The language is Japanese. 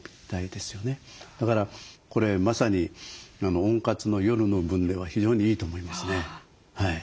だからこれまさに温活の夜の分では非常にいいと思いますね。